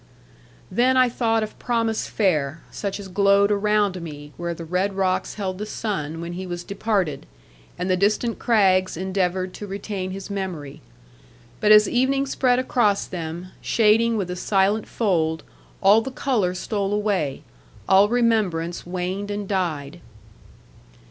Then I thought of promise fair; such as glowed around me, where the red rocks held the sun, when he was departed; and the distant crags endeavoured to retain his memory. But as evening spread across them, shading with a silent fold, all the colour stole away; all remembrance waned and died.